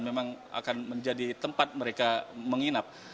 memang akan menjadi tempat mereka menginap